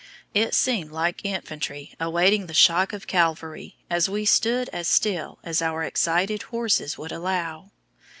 It seemed like infantry awaiting the shock of cavalry as we stood as still as our excited horses would allow.